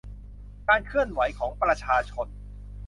การเคลื่อนไหวของประชาชน